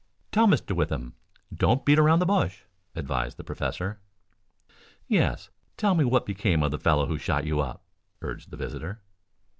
"Tell, Mr. Withem. Don't beat about the bush," advised the professor. "Yes; tell me what became of the fellow who shot you up," urged the visitor.